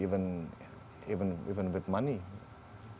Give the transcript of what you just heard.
bahkan dengan uang